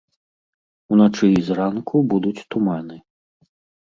Уначы і зранку будуць туманы.